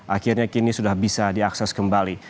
akhirnya kini sudah bisa diakses kembali